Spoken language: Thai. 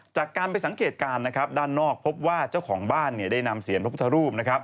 จากการไปสังเกตการณ์นะครับด้านนอกพบว่าเจ้าของบ้านได้นำเสียงพระพุทธรูปนะครับ